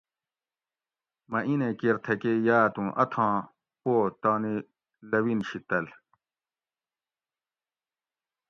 مٞہ اِینیں کیر تھکٞے یاٞت اُوں اتھاں پو تانی لٞوِن شی تٞل